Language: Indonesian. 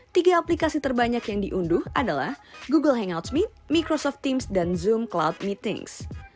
tiga aplikasi terbanyak yang diunduh adalah google hangouts meet microsoft teams dan zoom cloud meetings